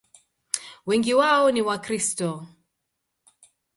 Wengi wao ni Wakristo.